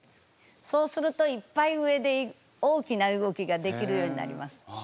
そうするといっぱい上で大きな動きができるようになります。